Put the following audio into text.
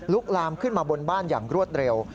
ลามขึ้นมาบนบ้านอย่างรวดเร็ว